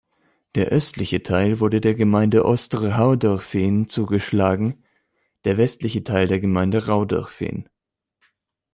Der östliche Teil wurde der Gemeinde Ostrhauderfehn zugeschlagen, der westliche Teil der Gemeinde Rhauderfehn.